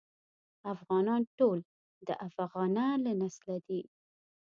افغانان ټول د افغنه له نسله دي.